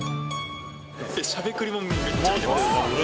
しゃべくりもめっちゃ見てます。